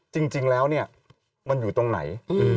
จริงแล้วเนี่ยมันอยู่ตรงไหน